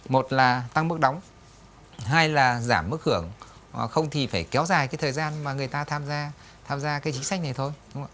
một là tăng mức đóng hai là giảm mức hưởng không thì phải kéo dài cái thời gian mà người ta tham gia tham gia cái chính sách này thôi